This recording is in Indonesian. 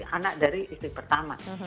anak dari istri pertama